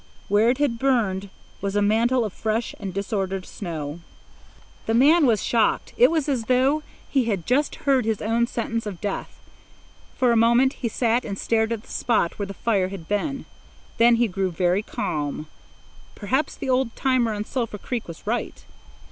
Where it had burned was a mantle of fresh and disordered snow. The man was shocked. It was as though he had just heard his own sentence of death. For a moment he sat and stared at the spot where the fire had been. Then he grew very calm. Perhaps the old timer on Sulphur Creek was right.